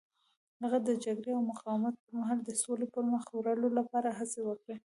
هغه د جګړې او مقاومت پر مهال د سولې پرمخ وړلو لپاره هڅې وکړې.